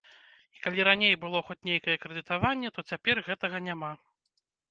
І калі раней было хоць нейкае крэдытаванне, то цяпер гэтага няма?